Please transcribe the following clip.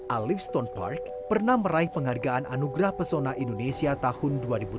alif stone park pernah meraih penghargaan anugerah pesona indonesia tahun dua ribu delapan